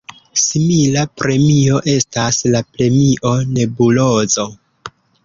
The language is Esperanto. Simila premio estas la Premio Nebulozo.